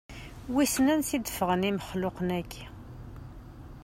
Wissen ansa i d-ffɣen imexluqen-aki?